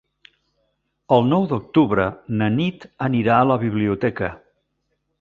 El nou d'octubre na Nit anirà a la biblioteca.